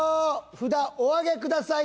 札お上げください。